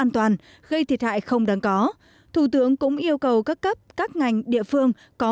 an toàn gây thiệt hại không đáng có thủ tướng cũng yêu cầu các cấp các ngành địa phương có